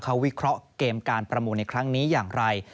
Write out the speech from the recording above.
เขาวิเคราะห์เกมการประมูลในครั้งนี้อย่างไร